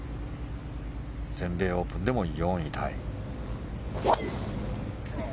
全米オープンでも４位タイ。